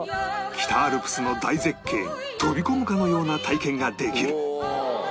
北アルプスの大絶景に飛び込むかのような体験ができる